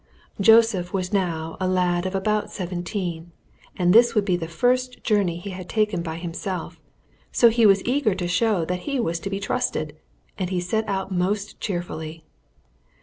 Joseph was now a lad of about seventeen, and this would be the first journey he had taken by himself, so he was eager to show that he was to be trusted, and he set out most cheerfully.